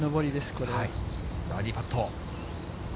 バーディーパット。